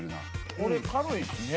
これ軽いしね。